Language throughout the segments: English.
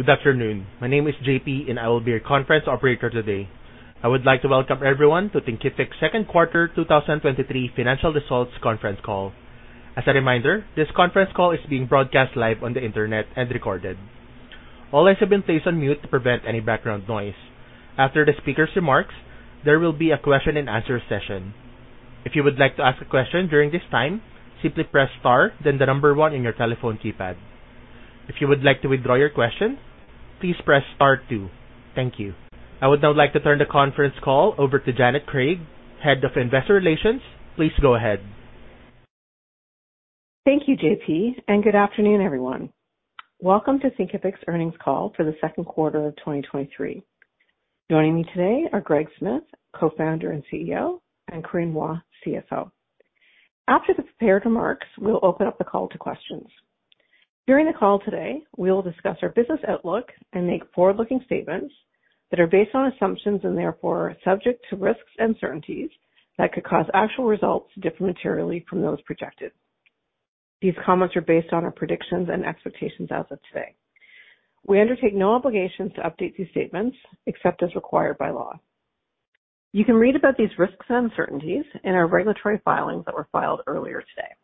Good afternoon. My name is J.P., I will be your conference operator today. I would like to welcome everyone to Thinkific's Second Quarter 2023 Financial Results Conference Call. As a reminder, this conference call is being broadcast live on the Internet and recorded. All lines have been placed on mute to prevent any background noise. After the speaker's remarks, there will be a question and answer session. If you would like to ask a question during this time, simply press star, then the number 1 in your telephone keypad. If you would like to withdraw your question, please press star 2. Thank you. I would now like to turn the conference call over to Janet Craig, Head of Investor Relations. Please go ahead. Thank you, JP. Good afternoon, everyone. Welcome to Thinkific's earnings call for the second quarter of 2023. Joining me today are Greg Smith, Co-founder and CEO, and Corinne Hua, CFO. After the prepared remarks, we'll open up the call to questions. During the call today, we will discuss our business outlook and make forward-looking statements that are based on assumptions and therefore are subject to risks and certainties that could cause actual results to differ materially from those projected. These comments are based on our predictions and expectations as of today. We undertake no obligations to update these statements except as required by law. You can read about these risks and uncertainties in our regulatory filings that were filed earlier today.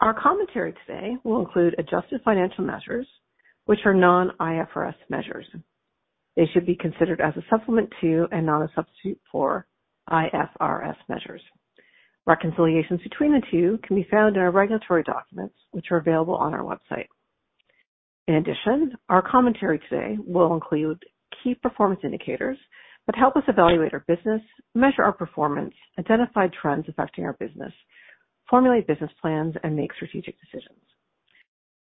Our commentary today will include adjusted financial measures, which are non-IFRS measures. They should be considered as a supplement to and not a substitute for IFRS measures. Reconciliations between the two can be found in our regulatory documents, which are available on our website. In addition, our commentary today will include key performance indicators that help us evaluate our business, measure our performance, identify trends affecting our business, formulate business plans, and make strategic decisions.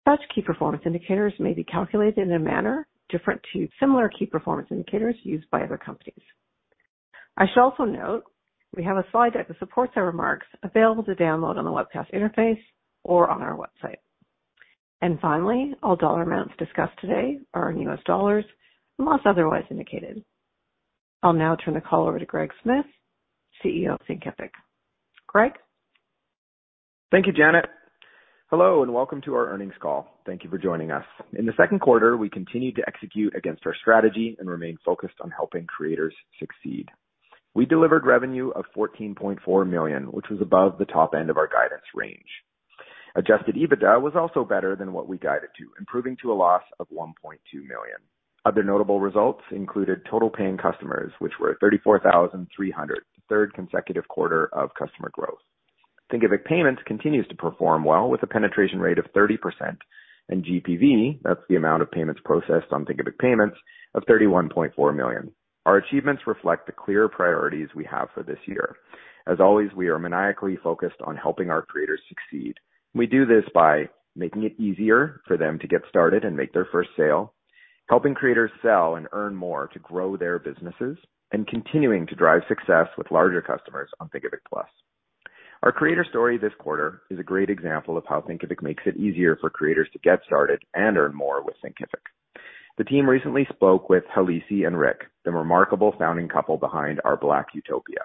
Such key performance indicators may be calculated in a manner different to similar key performance indicators used by other companies. I should also note we have a slide deck that supports our remarks available to download on the webcast interface or on our website. Finally, all dollar amounts discussed today are in US dollars, unless otherwise indicated. I'll now turn the call over to Greg Smith, CEO of Thinkific. Greg? Thank you, Janet. Hello, and welcome to our earnings call. Thank you for joining us. In the second quarter, we continued to execute against our strategy and remain focused on helping creators succeed. We delivered revenue of $14.4 million, which was above the top end of our guidance range. Adjusted EBITDA was also better than what we guided to, improving to a loss of $1.2 million. Other notable results included total paying customers, which were 34,300, the third consecutive quarter of customer growth. Thinkific Payments continues to perform well, with a penetration rate of 30% and GPV, that's the amount of payments processed on Thinkific Payments, of $31.4 million. Our achievements reflect the clear priorities we have for this year. As always, we are maniacally focused on helping our creators succeed. We do this by making it easier for them to get started and make their first sale, helping creators sell and earn more to grow their businesses, and continuing to drive success with larger customers on Thinkific Plus. Our creator story this quarter is a great example of how Thinkific makes it easier for creators to get started and earn more with Thinkific. The team recently spoke with Halisi and Ric, the remarkable founding couple behind Our Black Utopia.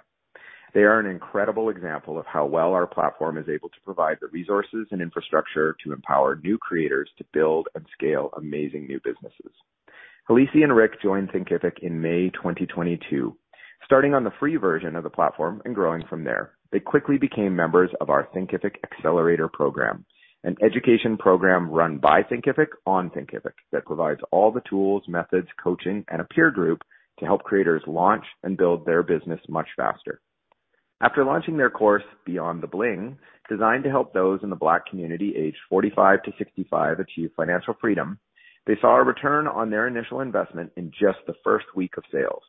They are an incredible example of how well our platform is able to provide the resources and infrastructure to empower new creators to build and scale amazing new businesses. Halisi and Ric joined Thinkific in May 2022, starting on the free version of the platform and growing from there. They quickly became members of our Thinkific Accelerator Program, an education program run by Thinkific on Thinkific that provides all the tools, methods, coaching, and a peer group to help creators launch and build their business much faster. After launching their course, Beyond the Bling, designed to help those in the black community aged 45 to 65 achieve financial freedom, they saw a return on their initial investment in just the first week of sales.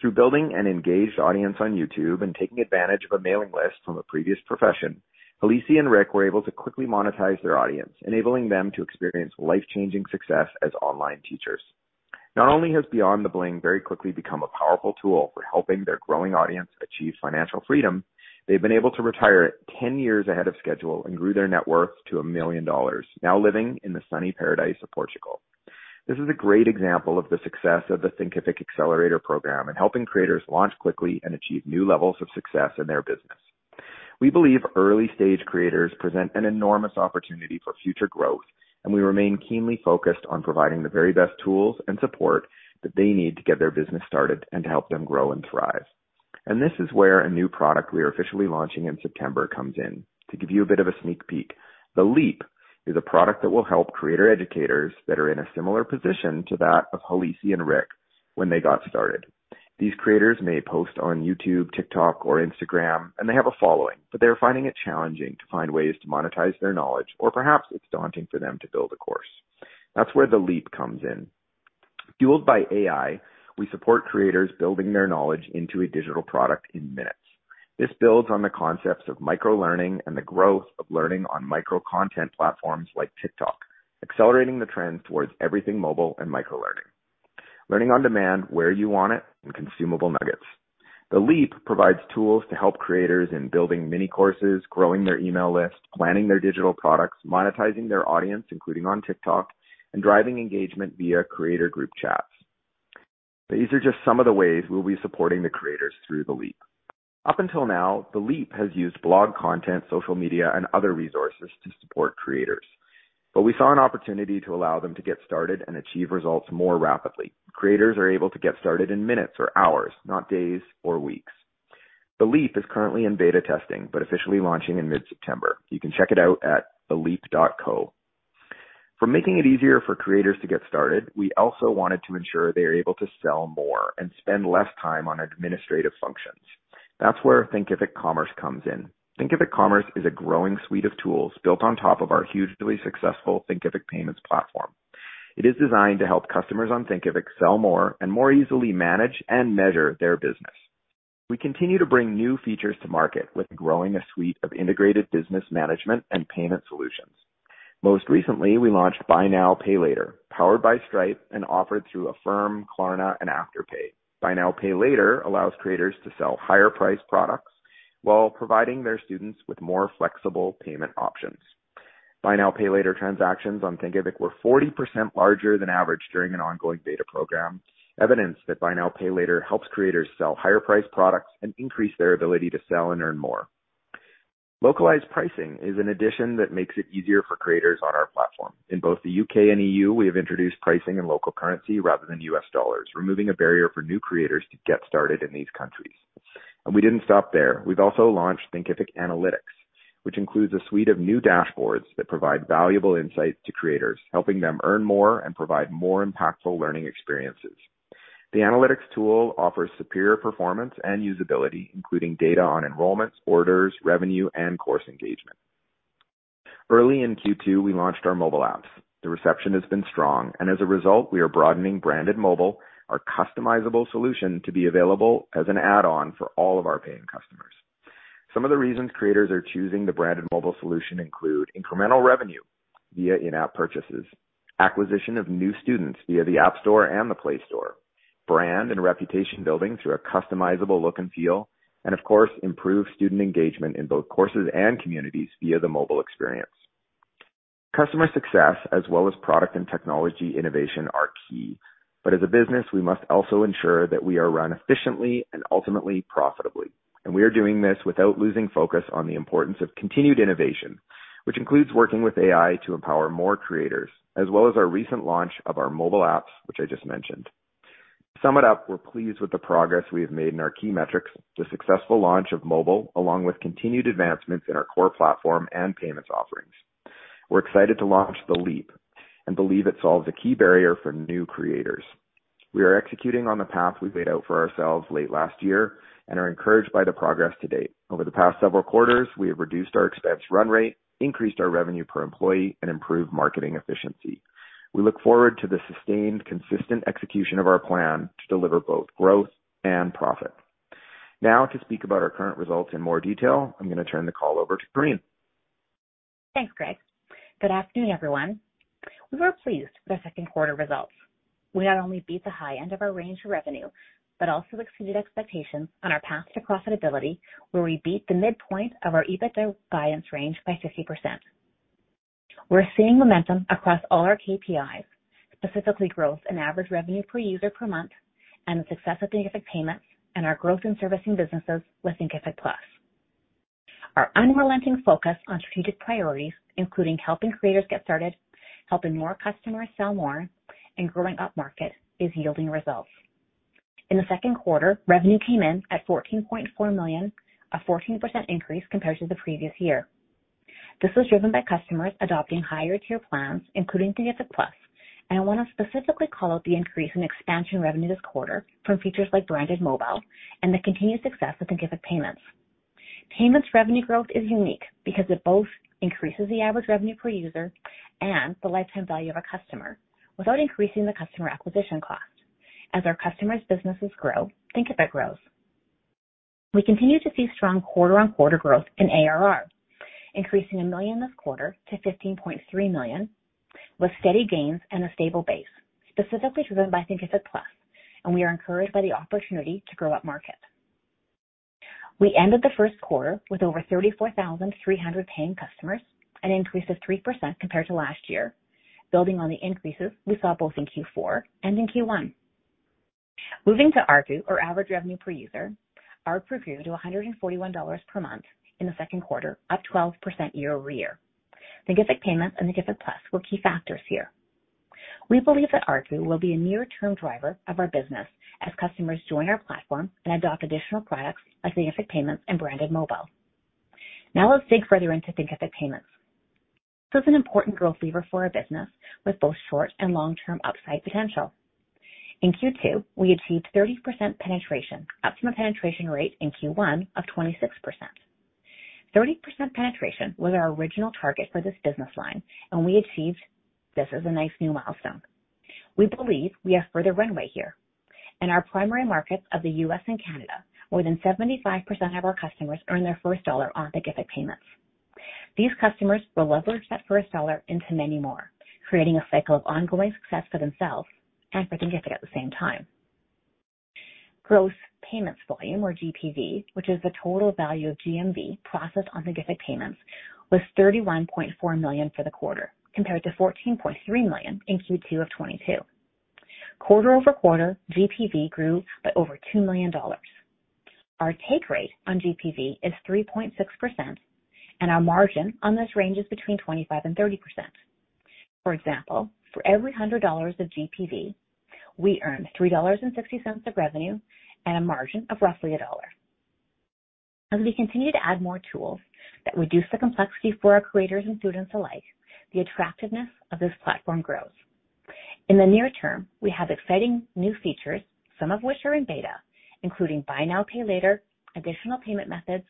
Through building an engaged audience on YouTube and taking advantage of a mailing list from a previous profession, Halisi and Ric were able to quickly monetize their audience, enabling them to experience life-changing success as online teachers. Not only has Beyond the Bling very quickly become a powerful tool for helping their growing audience achieve financial freedom, they've been able to retire 10 years ahead of schedule and grew their net worth to $1 million, now living in the sunny paradise of Portugal. This is a great example of the success of the Thinkific Accelerator Program in helping creators launch quickly and achieve new levels of success in their business. We believe early-stage creators present an enormous opportunity for future growth, and we remain keenly focused on providing the very best tools and support that they need to get their business started and to help them grow and thrive. This is where a new product we are officially launching in September comes in. To give you a bit of a sneak peek, The Leap is a product that will help creator educators that are in a similar position to that of Halisi and Ric when they got started. These creators may post on YouTube, TikTok, or Instagram, and they have a following, but they're finding it challenging to find ways to monetize their knowledge, or perhaps it's daunting for them to build a course. That's where The Leap comes in. Fueled by AI, we support creators building their knowledge into a digital product in minutes. This builds on the concepts of microlearning and the growth of learning on microcontent platforms like TikTok, accelerating the trend towards everything mobile and microlearning, learning on demand, where you want it, in consumable nuggets. The Leap provides tools to help creators in building mini courses, growing their email list, planning their digital products, monetizing their audience, including on TikTok, and driving engagement via creator group chats. These are just some of the ways we'll be supporting the creators through The Leap. Up until now, The Leap has used blog content, social media, and other resources to support creators, but we saw an opportunity to allow them to get started and achieve results more rapidly. Creators are able to get started in minutes or hours, not days or weeks. The Leap is currently in beta testing, but officially launching in mid-September. You can check it out at theleap.co. For making it easier for creators to get started, we also wanted to ensure they are able to sell more and spend less time on administrative functions. That's where Thinkific Commerce comes in. Thinkific Commerce is a growing suite of tools built on top of our hugely successful Thinkific Payments platform. It is designed to help customers on Thinkific sell more and more easily manage and measure their business. We continue to bring new features to market with growing a suite of integrated business management and payment solutions. Most recently, we launched Buy Now, Pay Later, powered by Stripe and offered through Affirm, Klarna, and Afterpay. Buy Now, Pay Later allows creators to sell higher-priced products while providing their students with more flexible payment options. Buy Now, Pay Later transactions on Thinkific were 40% larger than average during an ongoing beta program, evidence that Buy Now, Pay Later helps creators sell higher-priced products and increase their ability to sell and earn more. Localized pricing is an addition that makes it easier for creators on our platform. In both the U.K. and E.U., we have introduced pricing in local currency rather than U.S. dollars, removing a barrier for new creators to get started in these countries. We didn't stop there. We've also launched Thinkific Analytics, which includes a suite of new dashboards that provide valuable insights to creators, helping them earn more and provide more impactful learning experiences. The analytics tool offers superior performance and usability, including data on enrollments, orders, revenue, and course engagement. Early in Q2, we launched our mobile apps. The reception has been strong, and as a result, we are broadening Branded Mobile, our customizable solution, to be available as an add-on for all of our paying customers. Some of the reasons creators are choosing the Branded Mobile solution include incremental revenue via in-app purchases, acquisition of new students via the App Store and the Play Store, brand and reputation building through a customizable look and feel, and of course, improved student engagement in both courses and communities via the mobile experience. Customer success, as well as product and technology innovation, are key, but as a business, we must also ensure that we are run efficiently and ultimately profitably. We are doing this without losing focus on the importance of continued innovation, which includes working with AI to empower more creators, as well as our recent launch of our mobile apps, which I just mentioned. To sum it up, we're pleased with the progress we have made in our key metrics, the successful launch of mobile, along with continued advancements in our core platform and payments offerings. We're excited to launch The Leap and believe it solves a key barrier for new creators. We are executing on the path we laid out for ourselves late last year and are encouraged by the progress to date. Over the past several quarters, we have reduced our expense run rate, increased our revenue per employee, and improved marketing efficiency. We look forward to the sustained, consistent execution of our plan to deliver both growth and profit. Now, to speak about our current results in more detail, I'm going to turn the call over to Corinne. Thanks, Greg. Good afternoon, everyone. We were pleased with the second quarter results. We not only beat the high end of our range of revenue, but also exceeded expectations on our path to profitability, where we beat the midpoint of our EBITDA guidance range by 50%. We're seeing momentum across all our KPIs, specifically growth and average revenue per user per month, and the success of Thinkific Payments and our growth in servicing businesses with Thinkific Plus. Our unrelenting focus on strategic priorities, including helping creators get started, helping more customers sell more, and growing up market, is yielding results. In the second quarter, revenue came in at $14.4 million, a 14% increase compared to the previous year. This was driven by customers adopting higher-tier plans, including Thinkific Plus, and I want to specifically call out the increase in expansion revenue this quarter from features like Branded Mobile and the continued success with Thinkific Payments. Payments revenue growth is unique because it both increases the average revenue per user and the lifetime value of a customer without increasing the customer acquisition cost. As our customers' businesses grow, Thinkific grows. We continue to see strong quarter-on-quarter growth in ARR, increasing $1 million this quarter to $15.3 million, with steady gains and a stable base, specifically driven by Thinkific Plus, and we are encouraged by the opportunity to grow up market. We ended the first quarter with over 34,300 paying customers, an increase of 3% compared to last year, building on the increases we saw both in Q4 and in Q1. Moving to ARPU, or Average Revenue Per User, ARPU grew to $141 per month in the second quarter, up 12% year-over-year. Thinkific Payments and Thinkific Plus were key factors here. We believe that ARPU will be a near-term driver of our business as customers join our platform and adopt additional products like Thinkific Payments and Branded Mobile. Now let's dig further into Thinkific Payments. This is an important growth lever for our business with both short- and long-term upside potential. In Q2, we achieved 30% penetration, up from a penetration rate in Q1 of 26%. 30% penetration was our original target for this business line, and we achieved this as a nice new milestone. We believe we have further runway here. In our primary markets of the U.S. and Canada, more than 75% of our customers earn their first $1 on Thinkific Payments. These customers will leverage that first $1 into many more, creating a cycle of ongoing success for themselves and for Thinkific at the same time. Gross payments volume, or GPV, which is the total value of GMV processed on Thinkific Payments, was $31.4 million for the quarter, compared to $14.3 million in Q2 of 2022. quarter-over-quarter, GPV grew by over $2 million. Our take rate on GPV is 3.6%, and our margin on this range is between 25% and 30%. For example, for every $100 of GPV, we earn $3.60 of revenue and a margin of roughly $1. As we continue to add more tools that reduce the complexity for our creators and students alike, the attractiveness of this platform grows. In the near term, we have exciting new features, some of which are in beta, including Buy Now, Pay Later, additional payment methods,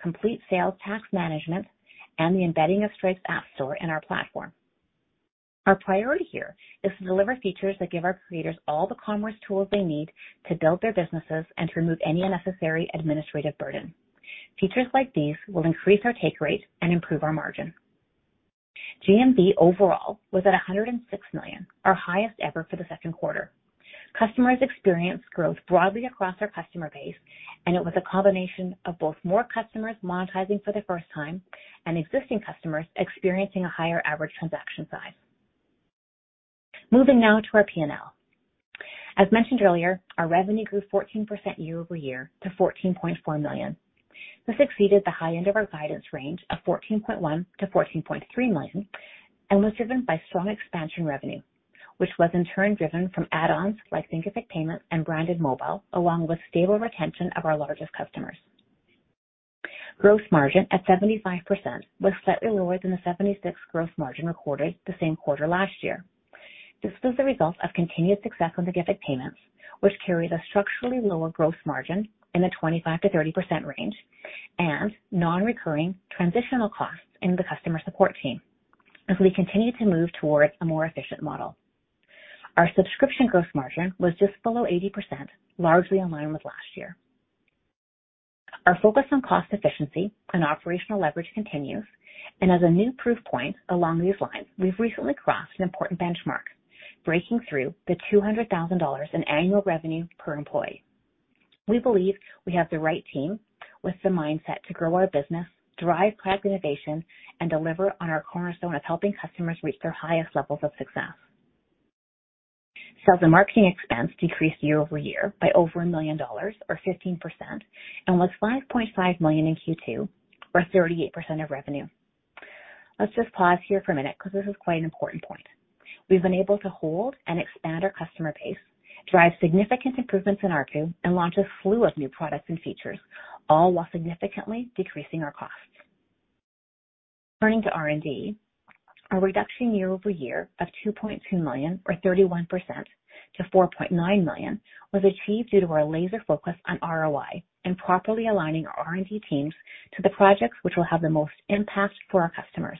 complete sales tax management, and the embedding of Stripe App Marketplace in our platform. Our priority here is to deliver features that give our creators all the commerce tools they need to build their businesses and to remove any unnecessary administrative burden. Features like these will increase our take rate and improve our margin. GMV overall was at $106 million, our highest ever for the second quarter. Customers experienced growth broadly across our customer base, and it was a combination of both more customers monetizing for the first time and existing customers experiencing a higher average transaction size. Moving now to our PNL. As mentioned earlier, our revenue grew 14% year-over-year to $14.4 million. This exceeded the high end of our guidance range of $14.1 million-$14.3 million, was driven by strong expansion revenue, which was in turn driven from add-ons like Thinkific Payments and Branded Mobile, along with stable retention of our largest customers. Gross margin at 75% was slightly lower than the 76% gross margin recorded the same quarter last year. This was the result of continued success on Thinkific Payments, which carries a structurally lower gross margin in the 25%-30% range and non-recurring transitional costs in the customer support team as we continue to move towards a more efficient model. Our subscription gross margin was just below 80%, largely in line with last year. Our focus on cost efficiency and operational leverage continues, and as a new proof point along these lines, we've recently crossed an important benchmark, breaking through the $200,000 in annual revenue per employee. We believe we have the right team with the mindset to grow our business, drive product innovation, and deliver on our cornerstone of helping customers reach their highest levels of success. Sales and marketing expense decreased year-over-year by over $1 million, or 15%, and was $5.5 million in Q2, or 38% of revenue. Let's just pause here for a minute, because this is quite an important point. We've been able to hold and expand our customer base, drive significant improvements in ARPU, and launch a slew of new products and features, all while significantly decreasing our costs. Turning to R&D, our reduction year-over-year of $2.2 million, or 31% to $4.9 million, was achieved due to our laser focus on ROI and properly aligning our R&D teams to the projects which will have the most impact for our customers.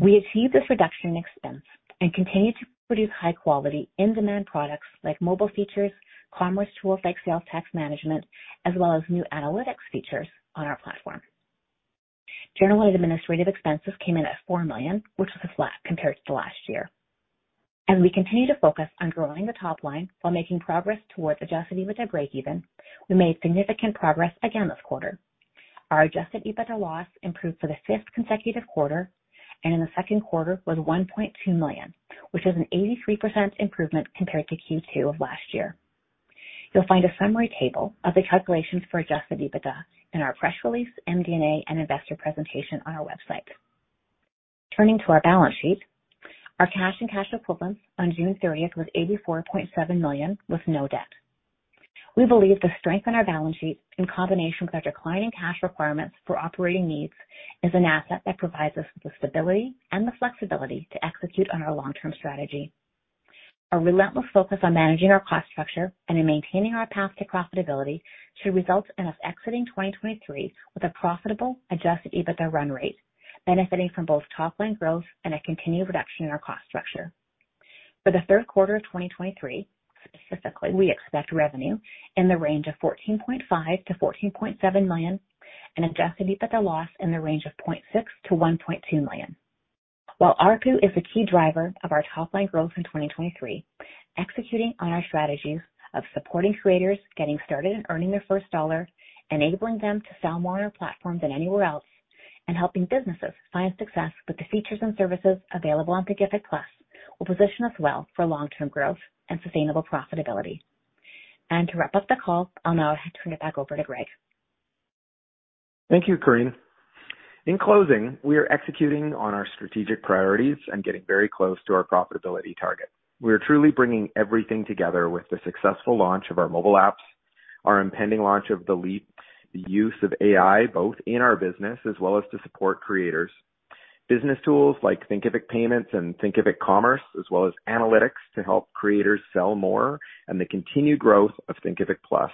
We achieved this reduction in expense and continued to produce high quality, in-demand products like mobile features, commerce tools like sales tax management, as well as new analytics features on our platform. General and administrative expenses came in at $4 million, which was a flat compared to last year. As we continue to focus on growing the top line while making progress towards Adjusted EBITDA breakeven, we made significant progress again this quarter. Our Adjusted EBITDA loss improved for the fifth consecutive quarter, and in the second quarter was $1.2 million, which is an 83% improvement compared to Q2 of last year. You'll find a summary table of the calculations for Adjusted EBITDA in our press release, MD&A, and investor presentation on our website. Turning to our balance sheet, our cash and cash equivalents on June 30th was $84.7 million, with no debt. We believe the strength in our balance sheet, in combination with our declining cash requirements for operating needs, is an asset that provides us with the stability and the flexibility to execute on our long-term strategy. Our relentless focus on managing our cost structure and in maintaining our path to profitability should result in us exiting 2023 with a profitable, Adjusted EBITDA run rate, benefiting from both top line growth and a continued reduction in our cost structure. For the third quarter of 2023, specifically, we expect revenue in the range of $14.5 million-$14.7 million and Adjusted EBITDA loss in the range of $0.6 million-$1.2 million. While ARPU is a key driver of our top line growth in 2023, executing on our strategies of supporting creators, getting started, and earning their first dollar, enabling them to sell more on our platform than anywhere else, and helping businesses find success with the features and services available on Thinkific Plus, will position us well for long-term growth and sustainable profitability. To wrap up the call, I'll now turn it back over to Greg. Thank you, Corinne. In closing, we are executing on our strategic priorities and getting very close to our profitability target. We are truly bringing everything together with the successful launch of our mobile apps, our impending launch of The Leap, the use of AI, both in our business as well as to support creators, business tools like Thinkific Payments and Thinkific Commerce, as well as analytics to help creators sell more, and the continued growth of Thinkific Plus.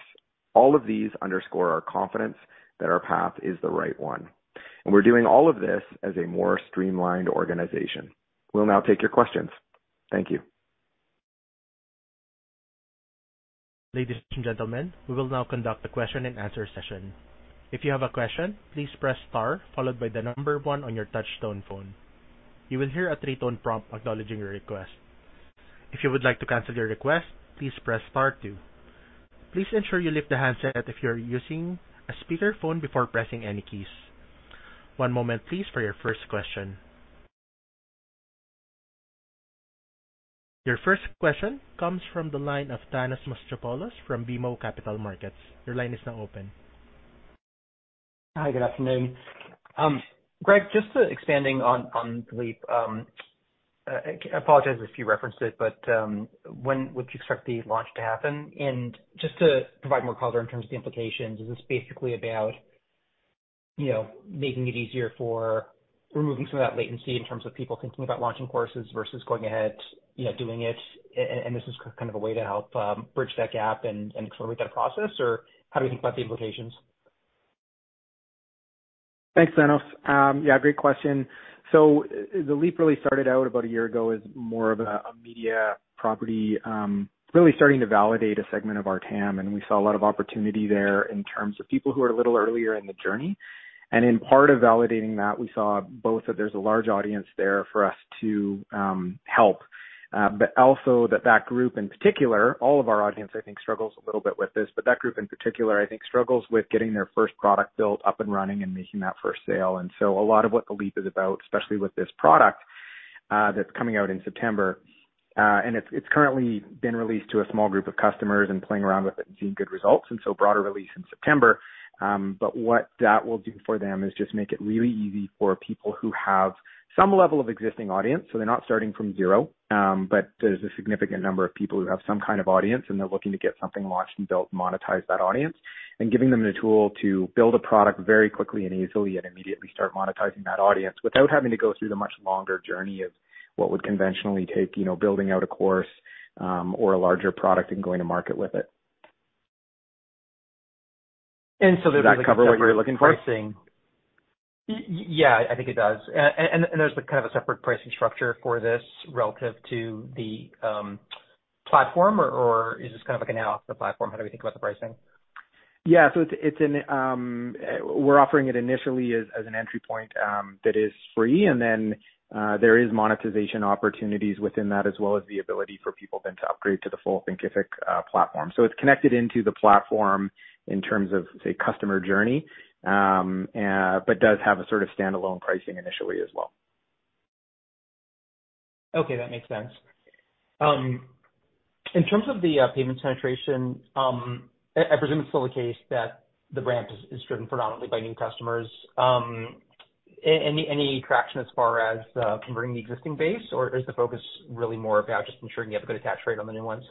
All of these underscore our confidence that our path is the right one, and we're doing all of this as a more streamlined organization. We'll now take your questions. Thank you. Ladies and gentlemen, we will now conduct a question and answer session. If you have a question, please press Star, followed by the number one on your touch tone phone. You will hear a three-tone prompt acknowledging your request. If you would like to cancel your request, please press star two. Please ensure you lift the handset if you're using a speakerphone before pressing any keys. One moment please, for your first question. Your first question comes from the line of Thanos Moschopoulos from BMO Capital Markets. Your line is now open. Hi, good afternoon. Greg, just to expanding on, on The Leap, I, I apologize if you referenced it, but, when would you expect the launch to happen? Just to provide more color in terms of the implications, is this basically about, you know, making it easier for removing some of that latency in terms of people thinking about launching courses versus going ahead, you know, doing it, and this is kind of a way to help, bridge that gap and, and accelerate that process? How do you think about the implications? Thanks, Thanos. Yeah, great question. The Leap really started out about a year ago as more of a, a media property, really starting to validate a segment of our TAM, and we saw a lot of opportunity there in terms of people who are a little earlier in the journey. In part of validating that, we saw both that there's a large audience there for us to help, but also that that group in particular, all of our audience, I think, struggles a little bit with this. That group in particular, I think, struggles with getting their first product built up and running and making that first sale. A lot of what The Leap is about, especially with this product that's coming out in September, and it's currently been released to a small group of customers and playing around with it and seeing good results. Broader release in September. What that will do for them is just make it really easy for people who have some level of existing audience, so they're not starting from zero. There's a significant number of people who have some kind of audience, and they're looking to get something launched and built, monetize that audience, and giving them the tool to build a product very quickly and easily and immediately start monetizing that audience without having to go through the much longer journey of what would conventionally take, you know, building out a course or a larger product and going to market with it. And so- Does that cover what you're looking for?... pricing. Yeah, I think it does. There's kind of a separate pricing structure for this relative to the platform or is this kind of like an add-on to the platform? How do we think about the pricing? Yeah. It's, it's an we're offering it initially as, as an entry point that is free. There is monetization opportunities within that, as well as the ability for people then to upgrade to the full Thinkific platform. It's connected into the platform in terms of, say, customer journey, but does have a sort of standalone pricing initially as well. Okay, that makes sense. In terms of the payment penetration, I presume it's still the case that the ramp is driven predominantly by new customers. Any, any traction as far as converting the existing base, or is the focus really more about just ensuring you have a good attach rate on the new ones?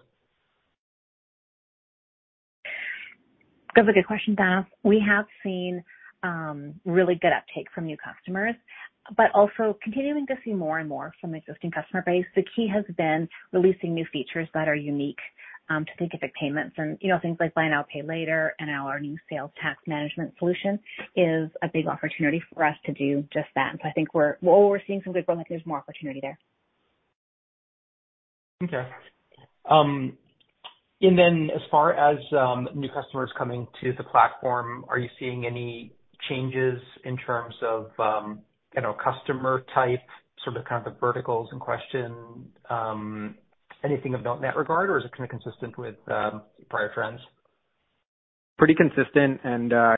That's a good question, Thanos. We have seen, really good uptake from new customers, but also continuing to see more and more from existing customer base. The key has been releasing new features that are unique, to Thinkific Payments and, you know, things like Buy Now, Pay Later, and our new sales tax management solution is a big opportunity for us to do just that. I think we're, well, we're seeing some good growth, there's more opportunity there. Okay. As far as new customers coming to the platform, are you seeing any changes in terms of, you know, customer type, sort of, kind of the verticals in question, anything about in that regard, or is it kind of consistent with prior trends? Pretty consistent,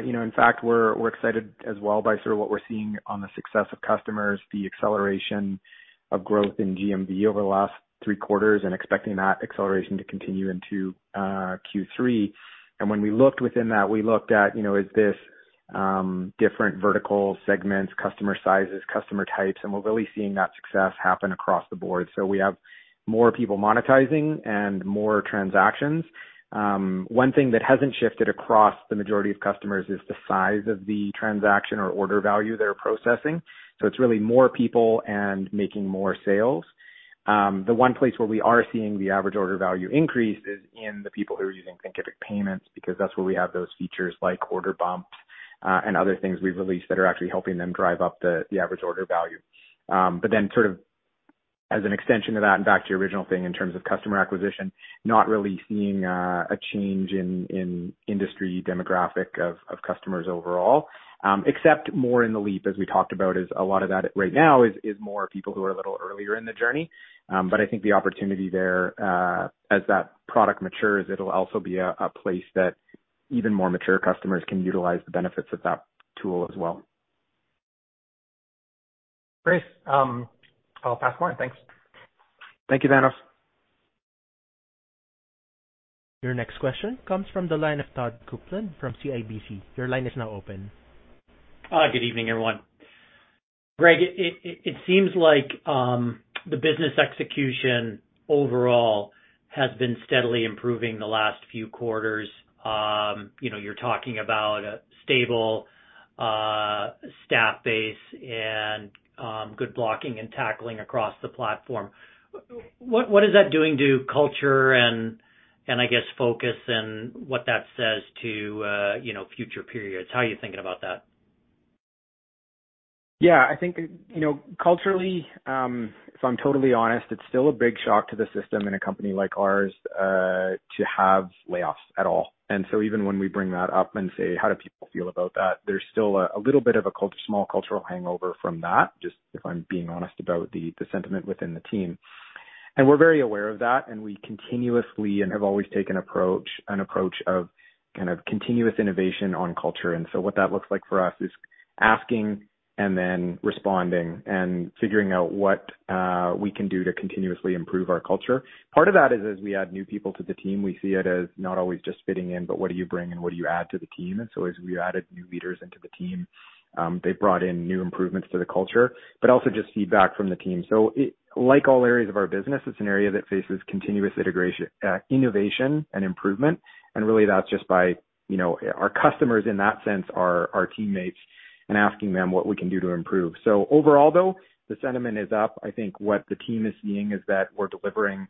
you know, in fact, we're, we're excited as well by sort of what we're seeing on the success of customers, the acceleration of growth in GMV over the last three quarters, expecting that acceleration to continue into Q3. When we looked within that, we looked at, you know, is this different verticals, segments, customer sizes, customer types, and we're really seeing that success happen across the board. We have more people monetizing and more transactions. One thing that hasn't shifted across the majority of customers is the size of the transaction or order value they're processing. It's really more people and making more sales. The one place where we are seeing the average order value increase is in the people who are using Thinkific Payments, because that's where we have those features, like order bumps, and other things we've released that are actually helping them drive up the, the average order value. Then sort of as an extension to that and back to your original thing in terms of customer acquisition, not really seeing a change in, in industry demographic of, of customers overall, except more in The Leap, as we talked about, is a lot of that right now is, is more people who are a little earlier in the journey. I think the opportunity there, as that product matures, it'll also be a, a place that even more mature customers can utilize the benefits of that tool as well. Great. I'll pass more. Thanks. Thank you, Thanos. Your next question comes from the line of Todd Coupland from CIBC. Your line is now open. Good evening, everyone. Greg, it seems like the business execution overall has been steadily improving the last few quarters. You know, you're talking about a stable staff base and good blocking and tackling across the platform. What is that doing to culture and I guess focus and what that says to, you know, future periods? How are you thinking about that? Yeah, I think, you know, culturally, if I'm totally honest, it's still a big shock to the system in a company like ours, to have layoffs at all. Even when we bring that up and say, how do people feel about that? There's still a little bit of a small cultural hangover from that, just if I'm being honest about the sentiment within the team. We're very aware of that, and we continuously and have always taken an approach of kind of continuous innovation on culture. What that looks like for us is asking and then responding and figuring out what we can do to continuously improve our culture. Part of that is as we add new people to the team, we see it as not always just fitting in, but what do you bring and what do you add to the team? As we added new leaders into the team, they brought in new improvements to the culture, but also just feedback from the team. Like all areas of our business, it's an area that faces continuous integration, innovation and improvement. Really, that's just by, you know, our customers in that sense are our teammates and asking them what we can do to improve. Overall, though, the sentiment is up. I think what the team is seeing is that we're delivering,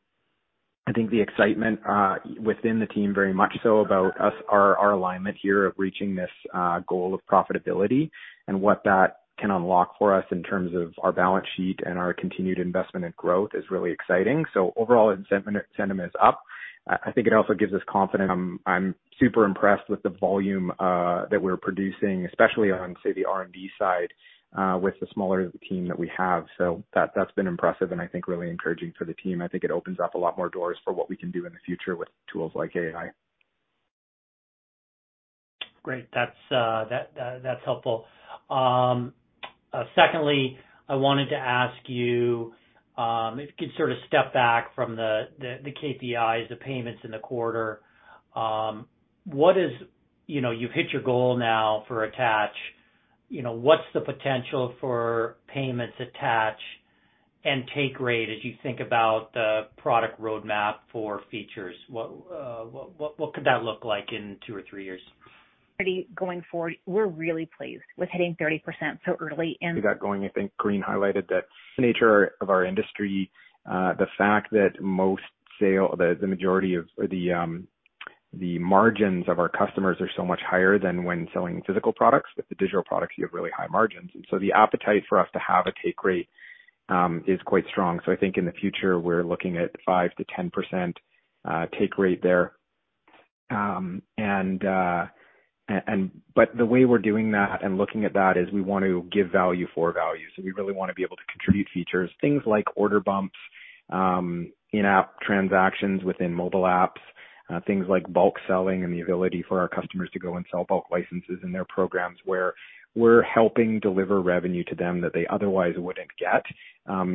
I think, the excitement, within the team, very much so about us, our alignment here of reaching this, goal of profitability and what that can unlock for us in terms of our balance sheet and our continued investment and growth is really exciting. Overall, the sentiment is up. I think it also gives us confidence. I'm super impressed with the volume, that we're producing, especially on, say, the R&D side, with the smaller team that we have. That's been impressive and I think really encouraging for the team. I think it opens up a lot more doors for what we can do in the future with tools like AI. Great. That's, that, that's helpful. Secondly, I wanted to ask you, if you could sort of step back from the, the, the KPIs, the payments in the quarter. What is... You know, you've hit your goal now for attach. You know, what's the potential for payments attach and take rate as you think about the product roadmap for features? What, what, what could that look like in two or three years? Pretty going forward, we're really pleased with hitting 30% so early in- We got going. I think Corinne highlighted that the nature of our industry, the fact that the majority of the margins of our customers are so much higher than when selling physical products. With the digital products, you have really high margins, and so the appetite for us to have a take rate is quite strong. I think in the future, we're looking at 5%-10% take rate there. The way we're doing that and looking at that is we want to give value for value. We really want to be able to contribute features, things like order bumps, in-app transactions within mobile apps, things like bulk selling and the ability for our customers to go and sell bulk licenses in their programs, where we're helping deliver revenue to them that they otherwise wouldn't get,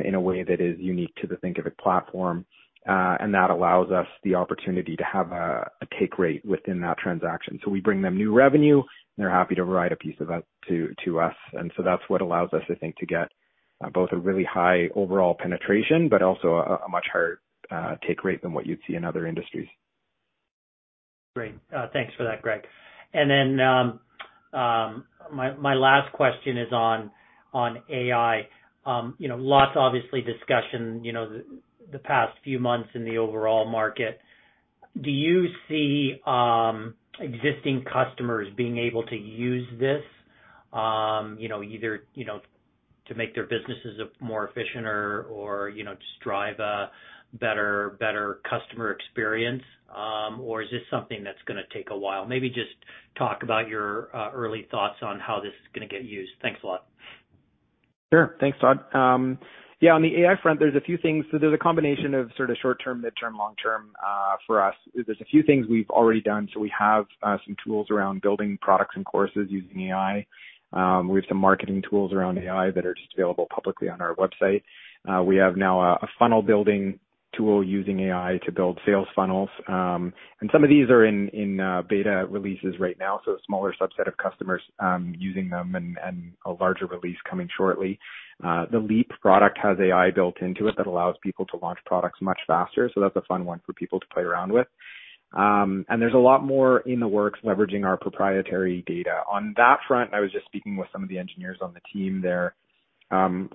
in a way that is unique to the Thinkific platform. And that allows us the opportunity to have a, a take rate within that transaction. We bring them new revenue, and they're happy to provide a piece of that to, to us. That's what allows us, I think, to get, both a really high overall penetration, but also a, a much higher take rate than what you'd see in other industries. Great. Thanks for that, Greg. My last question is on AI. You know, lots obviously discussion, you know, the past few months in the overall market. Do you see existing customers being able to use this, you know, either, you know, to make their businesses more efficient or, or, you know, just drive a better, better customer experience? Or is this something that's gonna take a while? Maybe just talk about your early thoughts on how this is gonna get used. Thanks a lot. Sure. Thanks, Todd. Yeah, on the AI front, there's a few things. There's a combination of sort of short-term, mid-term, long-term for us. There's a few things we've already done. We have some tools around building products and courses using AI. We have some marketing tools around AI that are just available publicly on our website. We have now a funnel building tool using AI to build sales funnels. Some of these are in beta releases right now, so a smaller subset of customers using them and a larger release coming shortly. The Leap product has AI built into it that allows people to launch products much faster, so that's a fun one for people to play around with. There's a lot more in the works leveraging our proprietary data. On that front, I was just speaking with some of the engineers on the team there.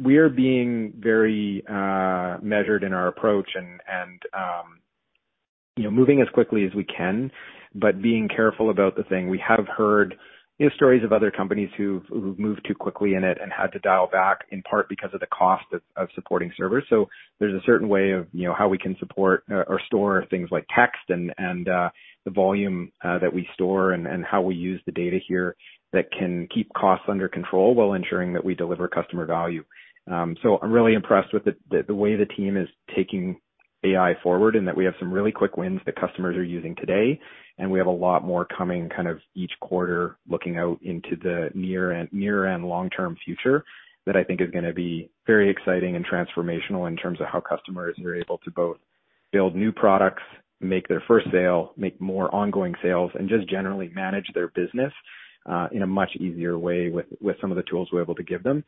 We are being very, measured in our approach and, and, you know, moving as quickly as we can, but being careful about the thing. We have heard, you know, stories of other companies who've, who've moved too quickly in it and had to dial back, in part because of the cost of, of supporting servers. There's a certain way of, you know, how we can support or, or store things like text and, and, the volume, that we store and, and how we use the data here that can keep costs under control while ensuring that we deliver customer value. I'm really impressed with the way the team is taking AI forward, and that we have some really quick wins that customers are using today, and we have a lot more coming kind of each quarter, looking out into the near and long-term future, that I think is gonna be very exciting and transformational in terms of how customers are able to both build new products, make their first sale, make more ongoing sales, and just generally manage their business in a much easier way with, with some of the tools we're able to give them.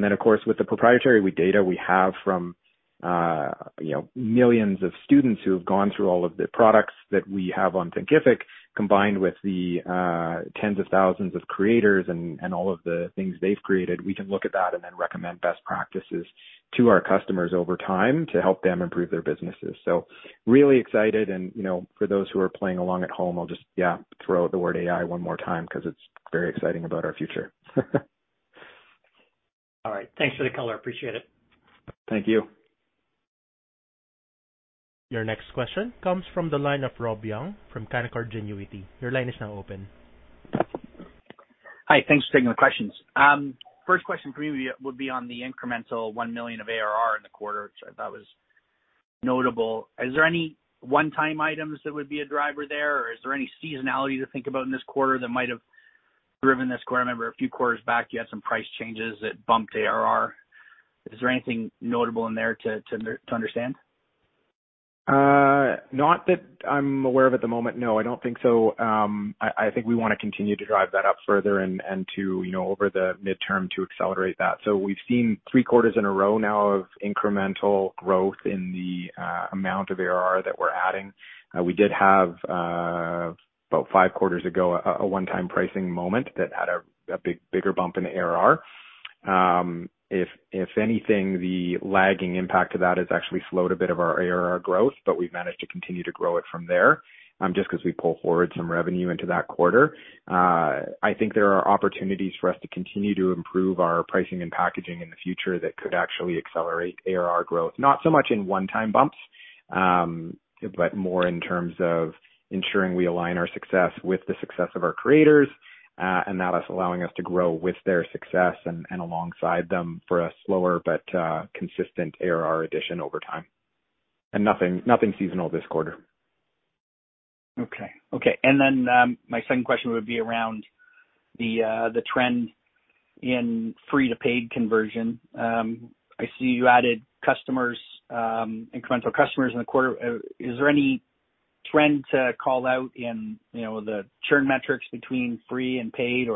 Then, of course, with the proprietary data we have from, you know, millions of students who have gone through all of the products that we have on Thinkific, combined with the, tens of thousands of creators and, and all of the things they've created, we can look at that and then recommend best practices to our customers over time to help them improve their businesses. Really excited. You know, for those who are playing along at home, I'll just, yeah, throw out the word AI one more time because it's very exciting about our future. All right. Thanks for the color. Appreciate it. Thank you. Your next question comes from the line of Rob Young from Canaccord Genuity. Your line is now open. Hi, thanks for taking the questions. First question for you would be on the incremental $1 million of ARR in the quarter, which I thought was notable. Is there any one-time items that would be a driver there, or is there any seasonality to think about in this quarter that might have driven this quarter? I remember a few quarters back, you had some price changes that bumped ARR. Is there anything notable in there to understand? Not that I'm aware of at the moment, no, I don't think so. I, I think we wanna continue to drive that up further and, and to, you know, over the midterm to accelerate that. We've seen 3 quarters in a row now of incremental growth in the amount of ARR that we're adding. We did have about 5 quarters ago, a one-time pricing moment that had a bigger bump in the ARR. If, if anything, the lagging impact to that has actually slowed a bit of our ARR growth, but we've managed to continue to grow it from there, just 'cause we pull forward some revenue into that quarter. I think there are opportunities for us to continue to improve our pricing and packaging in the future that could actually accelerate ARR growth, not so much in one-time bumps, but more in terms of ensuring we align our success with the success of our creators, and that is allowing us to grow with their success and, and alongside them for a slower but consistent ARR addition over time. Nothing, nothing seasonal this quarter. Okay. Okay. My second question would be around the trend in free to paid conversion. I see you added customers, incremental customers in the quarter. Is there any trend to call out in, you know, the churn metrics between free and paid?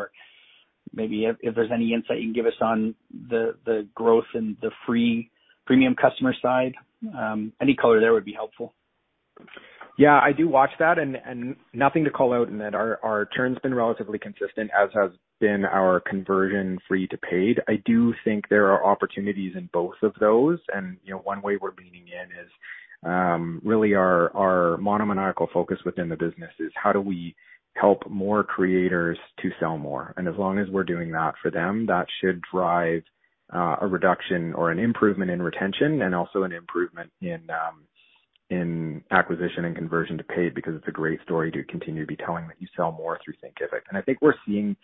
Maybe if, if there's any insight you can give us on the growth in the free premium customer side, any color there would be helpful. Yeah, I do watch that and, and nothing to call out in that. Our, our churn's been relatively consistent, as has been our conversion free to paid. I do think there are opportunities in both of those, and, you know, one way we're leaning in is really our, our monomaniacal focus within the business is how do we help more creators to sell more? As long as we're doing that for them, that should drive a reduction or an improvement in retention and also an improvement in acquisition and conversion to paid, because it's a great story to continue to be telling that you sell more through Thinkific. I think we're seeing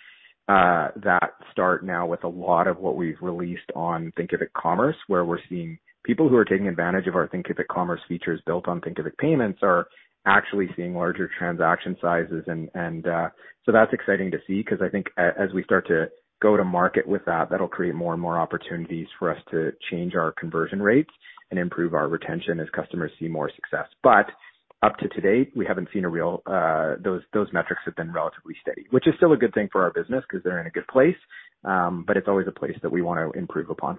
that start now with a lot of what we've released on Thinkific Commerce, where we're seeing people who are taking advantage of our Thinkific Commerce features built on Thinkific Payments are actually seeing larger transaction sizes and, and. That's exciting to see, 'cause I think as we start to go to market with that, that'll create more and more opportunities for us to change our conversion rates and improve our retention as customers see more success. Up to date, we haven't seen a real, those, those metrics have been relatively steady, which is still a good thing for our business 'cause they're in a good place. It's always a place that we want to improve upon.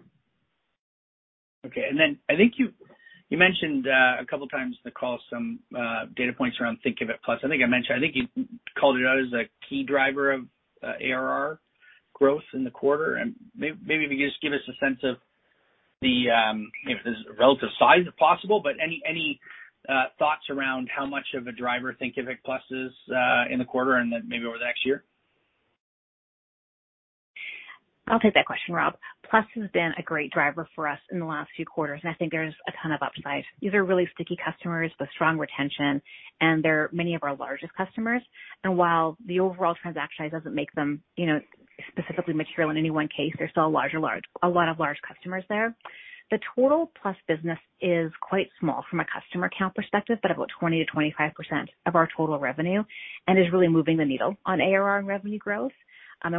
Okay. Then I think you, you mentioned a couple times in the call some data points around Thinkific Plus. I think I mentioned, I think you called it out as a key driver of ARR growth in the quarter. Maybe if you could just give us a sense of the, if there's a relative size, if possible, but any, any thoughts around how much of a driver Thinkific Plus is in the quarter and then maybe over the next year? I'll take that question, Rob. Thinkific Plus has been a great driver for us in the last few quarters. I think there's a ton of upside. These are really sticky customers with strong retention. They're many of our largest customers. While the overall transaction size doesn't make them, you know, specifically material in any one case, there's still a larger, large, a lot of large customers there. The total Thinkific Plus business is quite small from a customer count perspective, but about 20%-25% of our total revenue, and is really moving the needle on ARR and revenue growth.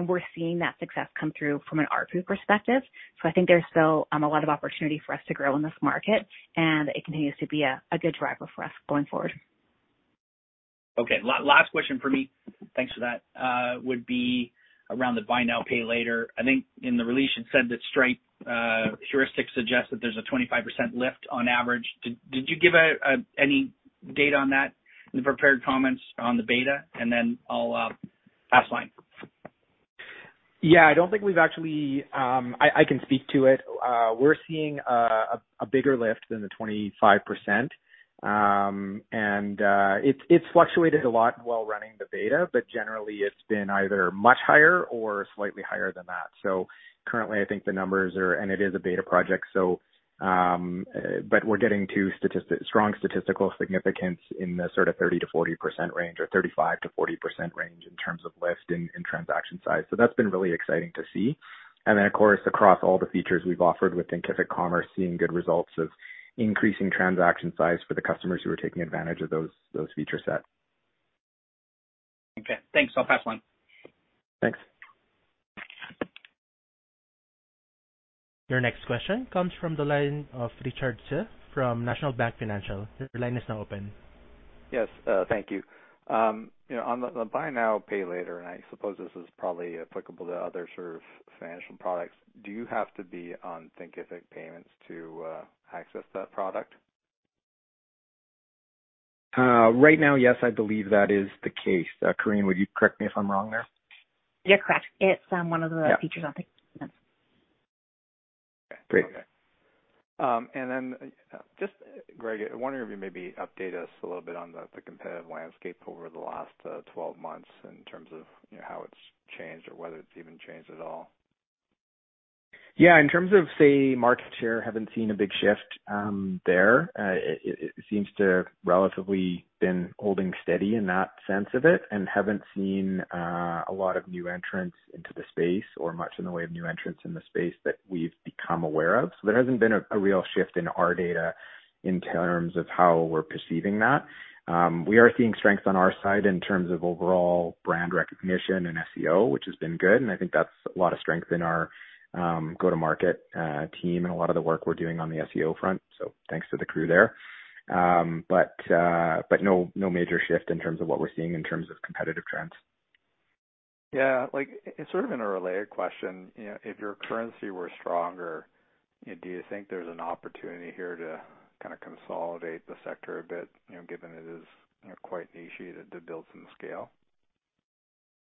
We're seeing that success come through from an ARPU perspective. I think there's still a lot of opportunity for us to grow in this market, and it continues to be a good driver for us going forward. Okay. Last question for me, thanks for that, would be around the Buy Now, Pay Later. I think in the release it said that Stripe heuristics suggest that there's a 25% lift on average. Did, did you give out any data on that in the prepared comments on the beta? Then I'll pass line. Yeah, I don't think we've actually. I, I can speak to it. We're seeing a bigger lift than the 25%. It's, it's fluctuated a lot while running the beta, but generally it's been either much higher or slightly higher than that. Currently, I think the numbers are, and it is a beta project, so, but we're getting to strong statistical significance in the sort of 30%-40% range, or 35%-40% range in terms of lift in, in transaction size. That's been really exciting to see. Then, of course, across all the features we've offered with Thinkific Commerce, seeing good results of increasing transaction size for the customers who are taking advantage of those, those feature set. Okay, thanks. I'll pass the line. Thanks. Your next question comes from the line of Richard Tse from National Bank Financial. Your line is now open. Yes, thank you. you know, on the, the Buy Now, Pay Later, and I suppose this is probably applicable to other sort of financial products, do you have to be on Thinkific Payments to access that product? Right now, yes, I believe that is the case. Corinne, would you correct me if I'm wrong there? You're correct. It's, one of the- Yeah... features on Thinkific Payments. Great. Then just, Greg, I wonder if you maybe update us a little bit on the, the competitive landscape over the last, 12 months in terms of, you know, how it's changed or whether it's even changed at all? ... Yeah, in terms of, say, market share, haven't seen a big shift there. It, it seems to have relatively been holding steady in that sense of it, and haven't seen a lot of new entrants into the space or much in the way of new entrants in the space that we've become aware of. There hasn't been a real shift in our data in terms of how we're perceiving that. We are seeing strength on our side in terms of overall brand recognition and SEO, which has been good, and I think that's a lot of strength in our go-to-market team and a lot of the work we're doing on the SEO front. Thanks to the crew there. No, no major shift in terms of what we're seeing in terms of competitive trends. Yeah, like, sort of in a related question, you know, if your currency were stronger, do you think there's an opportunity here to kind of consolidate the sector a bit, you know, given it is, you know, quite nichey to, to build some scale?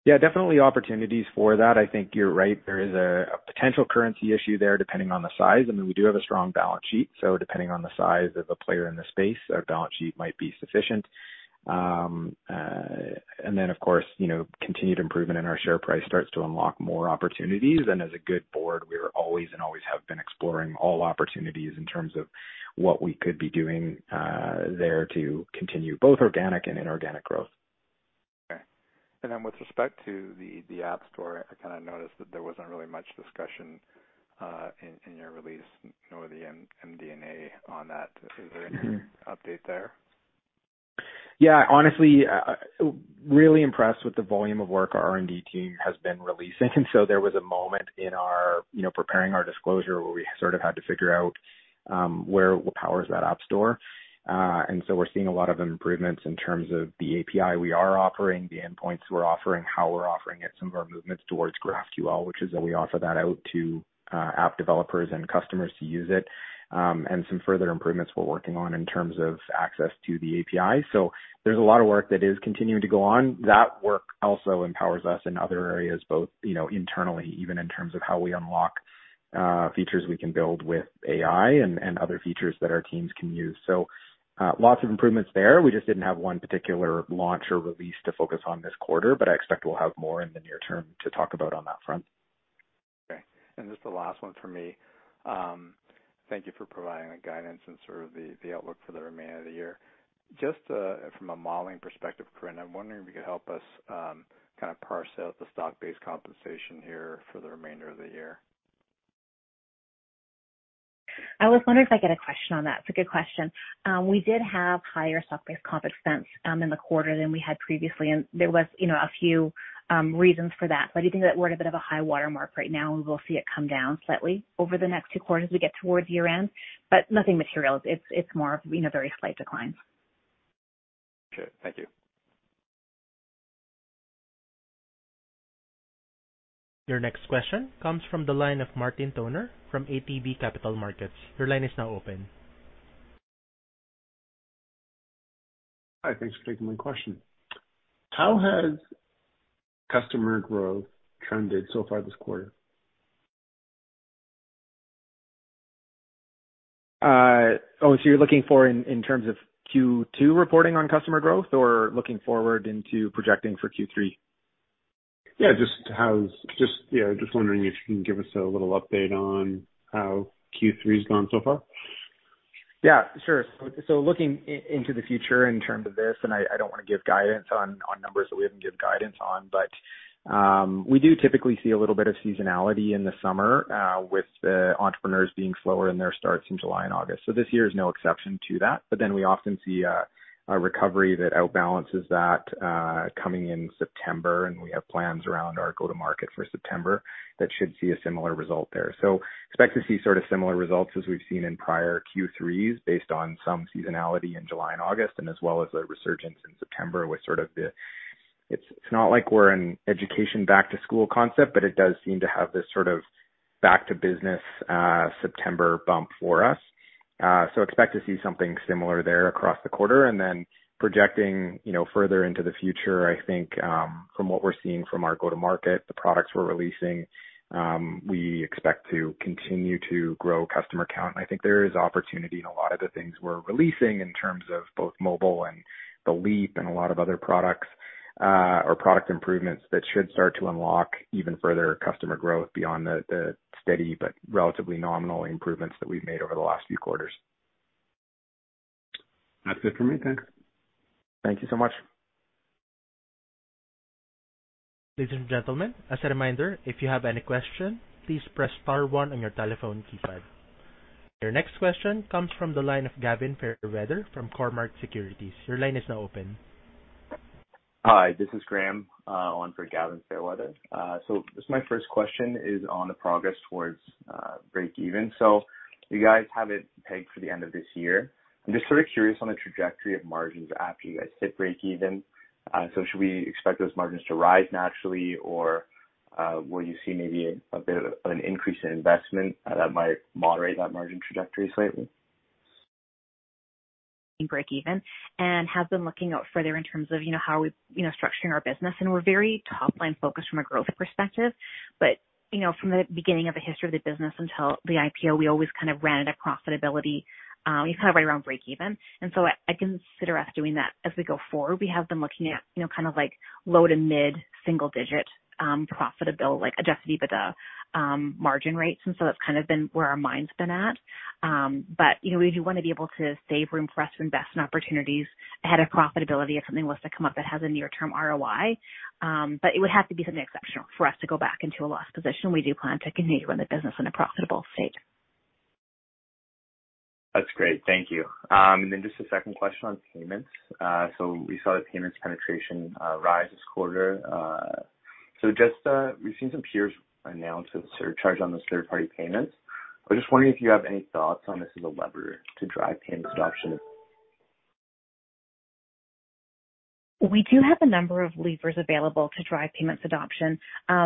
Yeah, definitely opportunities for that. I think you're right. There is a, a potential currency issue there, depending on the size. I mean, we do have a strong balance sheet, so depending on the size of a player in the space, our balance sheet might be sufficient. Then, of course, you know, continued improvement in our share price starts to unlock more opportunities, and as a good board, we are always and always have been exploring all opportunities in terms of what we could be doing there to continue both organic and inorganic growth. Okay. Then with respect to the, the App Store, I kind of noticed that there wasn't really much discussion, in, in your release, nor the MD&A on that. Is there any update there? Yeah, honestly, really impressed with the volume of work our R&D team has been releasing. There was a moment in our, you know, preparing our disclosure, where we sort of had to figure out, where, what powers that App Store. We're seeing a lot of improvements in terms of the API we are offering, the endpoints we're offering, how we're offering it, some of our movements towards GraphQL, which is that we offer that out to app developers and customers to use it, and some further improvements we're working on in terms of access to the API. There's a lot of work that is continuing to go on. That work also empowers us in other areas, both, you know, internally, even in terms of how we unlock features we can build with AI and other features that our teams can use. Lots of improvements there. We just didn't have 1 particular launch or release to focus on this quarter, but I expect we'll have more in the near term to talk about on that front. Okay, and this is the last one for me. Thank you for providing the guidance and sort of the, the outlook for the remainder of the year. Just from a modeling perspective, Corinne, I'm wondering if you could help us kind of parse out the stock-based compensation here for the remainder of the year. I was wondering if I get a question on that. It's a good question. We did have higher stock-based comp expense, in the quarter than we had previously, there was, you know, a few, reasons for that. I do think that we're at a bit of a high watermark right now, and we'll see it come down slightly over the next 2 quarters as we get towards year-end, but nothing material. It's, it's more of, you know, very slight declines. Okay. Thank you. Your next question comes from the line of Martin Toner from ATB Capital Markets. Your line is now open. Hi, thanks for taking my question. How has customer growth trended so far this quarter? Oh, you're looking for in, in terms of Q2 reporting on customer growth or looking forward into projecting for Q3? Yeah, yeah, just wondering if you can give us a little update on how Q3's gone so far? Yeah, sure. Looking into the future in terms of this, I don't want to give guidance on numbers that we haven't give guidance on. We do typically see a little bit of seasonality in the summer with the entrepreneurs being slower in their starts in July and August. This year is no exception to that. We often see a recovery that outbalances that coming in September. We have plans around our go-to-market for September that should see a similar result there. Expect to see sort of similar results as we've seen in prior Q3s based on some seasonality in July and August, as well as a resurgence in September with sort of the... It's, it's not like we're an education back to school concept, but it does seem to have this sort of back to business, September bump for us. Expect to see something similar there across the quarter. Then projecting, you know, further into the future, I think, from what we're seeing from our go-to-market, the products we're releasing, we expect to continue to grow customer count. I think there is opportunity in a lot of the things we're releasing in terms of both mobile and The Leap and a lot of other products, or product improvements that should start to unlock even further customer growth beyond the, the steady but relatively nominal improvements that we've made over the last few quarters. That's it for me. Thanks. Thank you so much. Ladies and gentlemen, as a reminder, if you have any question, please press star one on your telephone keypad. Your next question comes from the line of Gavin Fairweather from Cormark Securities. Your line is now open. Hi, this is Graham, on for Gavin Fairweather. Just my first question is on the progress towards breakeven. You guys have it pegged for the end of this year. I'm just sort of curious on the trajectory of margins after you guys hit breakeven. Should we expect those margins to rise naturally? Or will you see maybe a bit of an increase in investment that might moderate that margin trajectory slightly? ... breakeven, and have been looking out further in terms of, you know, how we, you know, structuring our business. We're very top-line focused from a growth perspective. You know, from the beginning of the history of the business until the IPO, we always kind of ran it at profitability, we kind of right around breakeven. So I, I consider us doing that as we go forward. We have been looking at, you know, kind of like low to mid-single digit profitability, like, Adjusted EBITDA margin rates, and so that's kind of been where our mind's been at. You know, we do want to be able to save room for us to invest in opportunities ahead of profitability if something was to come up that has a near-term ROI. It would have to be something exceptional for us to go back into a loss position. We do plan to continue to run the business in a profitable state. That's great. Thank you. Then just a second question on payments. We saw the payments penetration rise this quarter. Just we've seen some peers announce a surcharge on the third-party payments. I was just wondering if you have any thoughts on this as a lever to drive payments adoption? We do have a number of levers available to drive payments adoption,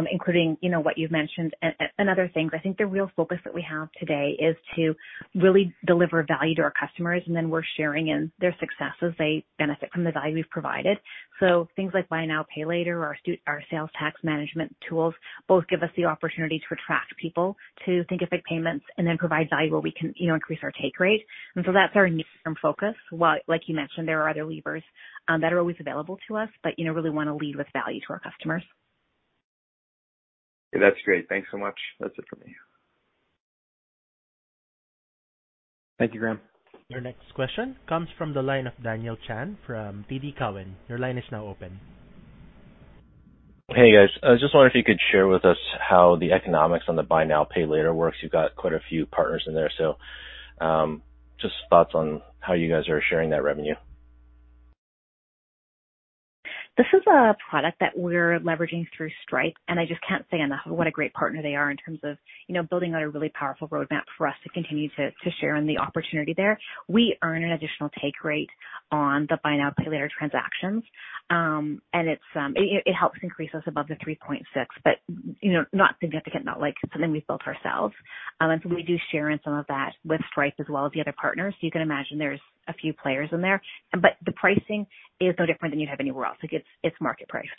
including, you know, what you've mentioned and, and other things. I think the real focus that we have today is to really deliver value to our customers, and then we're sharing in their success as they benefit from the value we've provided. So things like Buy Now, Pay Later, our sales tax management tools, both give us the opportunity to attract people to Thinkific Payments and then provide value where we can, you know, increase our take rate. That's our near-term focus. While, like you mentioned, there are other levers that are always available to us, but, you know, really want to lead with value to our customers. That's great. Thanks so much. That's it for me. Thank you, Graham. Your next question comes from the line of Daniel Chan from TD Cowen. Your line is now open. Hey, guys. I just wonder if you could share with us how the economics on the Buy Now, Pay Later works? You've got quite a few partners in there, so, just thoughts on how you guys are sharing that revenue? This is a product that we're leveraging through Stripe, and I just can't say enough what a great partner they are in terms of, you know, building out a really powerful roadmap for us to continue to, to share in the opportunity there. We earn an additional take rate on the Buy Now, Pay Later transactions. It's, it, it helps increase us above the 3.6%, but, you know, not significant, not like something we've built ourselves. So we do share in some of that with Stripe as well as the other partners. You can imagine there's a few players in there, but the pricing is no different than you'd have anywhere else. It's, it's market priced.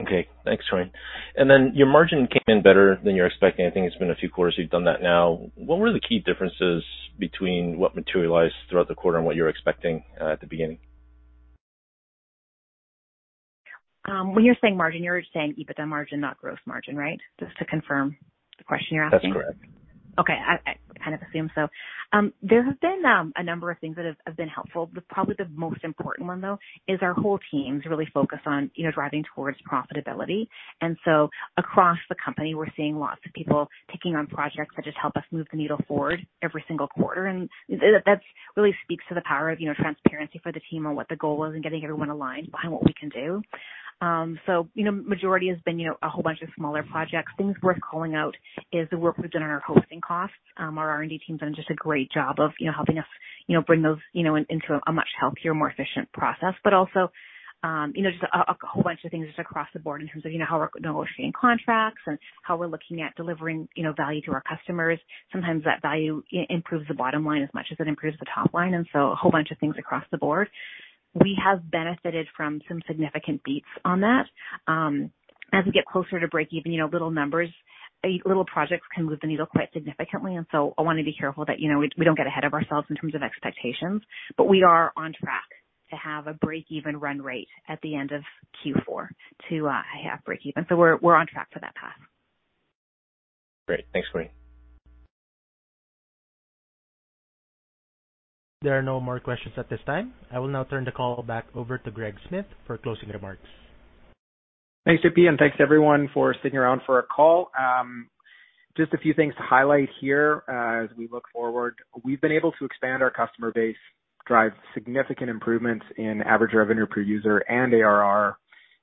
Okay, thanks, Corinne. Then your margin came in better than you're expecting. I think it's been a few quarters you've done that now. What were the key differences between what materialized throughout the quarter and what you were expecting at the beginning? When you're saying margin, you're saying EBITDA margin, not gross margin, right? Just to confirm the question you're asking. That's correct. Okay, I, I kind of assumed so. There have been a number of things that have been helpful. Probably the most important one, though, is our whole team's really focused on, you know, driving towards profitability. Across the company, we're seeing lots of people taking on projects that just help us move the needle forward every single quarter. That's really speaks to the power of, you know, transparency for the team on what the goal is and getting everyone aligned behind what we can do. So, you know, majority has been, you know, a whole bunch of smaller projects. Things worth calling out is the work we've done on our hosting costs. Our R&D team's done just a great job of, you know, helping us, you know, bring those, you know, into a much healthier, more efficient process. Also, you know, just a, a whole bunch of things just across the board in terms of, you know, how we're negotiating contracts and how we're looking at delivering, you know, value to our customers. Sometimes that value improves the bottom line as much as it improves the top line, and so a whole bunch of things across the board. We have benefited from some significant beats on that. As we get closer to breakeven, you know, little numbers, little projects can move the needle quite significantly, and so I want to be careful that, you know, we, we don't get ahead of ourselves in terms of expectations. We are on track to have a breakeven run rate at the end of Q4 to have breakeven. We're, we're on track for that path. Great. Thanks, Corinne. There are no more questions at this time. I will now turn the call back over to Greg Smith for closing remarks. Thanks, JP. Thanks to everyone for sticking around for our call. Just a few things to highlight here as we look forward. We've been able to expand our customer base, drive significant improvements in average revenue per user and ARR,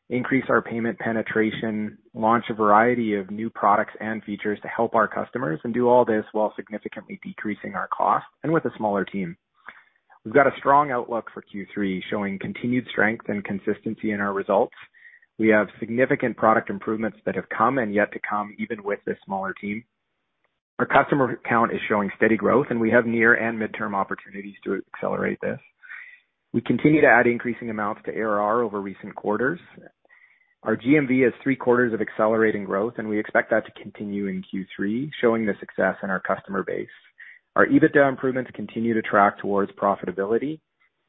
increase our payment penetration, launch a variety of new products and features to help our customers, and do all this while significantly decreasing our cost and with a smaller team. We've got a strong outlook for Q3, showing continued strength and consistency in our results. We have significant product improvements that have come and yet to come, even with this smaller team. Our customer count is showing steady growth, and we have near and midterm opportunities to accelerate this. We continue to add increasing amounts to ARR over recent quarters. Our GMV is three quarters of accelerating growth, and we expect that to continue in Q3, showing the success in our customer base. Our EBITDA improvements continue to track towards profitability,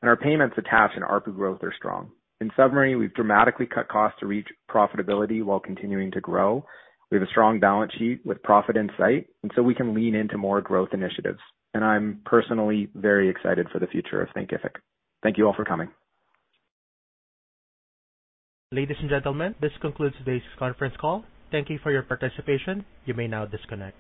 and our payments attach and ARPU growth are strong. In summary, we've dramatically cut costs to reach profitability while continuing to grow. We have a strong balance sheet with profit in sight. We can lean into more growth initiatives. I'm personally very excited for the future of Thinkific. Thank you all for coming. Ladies and gentlemen, this concludes today's conference call. Thank you for your participation. You may now disconnect.